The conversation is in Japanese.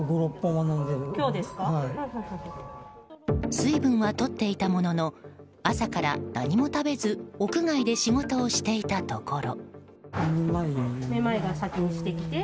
水分はとっていたものの朝から何も食べず屋外で仕事をしていたところ。